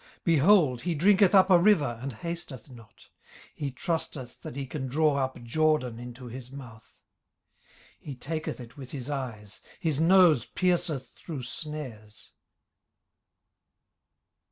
18:040:023 Behold, he drinketh up a river, and hasteth not: he trusteth that he can draw up Jordan into his mouth. 18:040:024 He taketh it with his eyes: his nose pierceth through snares.